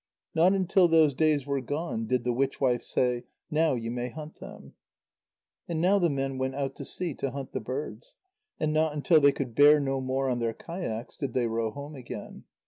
Not until those days were gone did the witch wife say: "Now you may hunt them." And now the men went out to sea to hunt the birds. And not until they could bear no more on their kayaks did they row home again.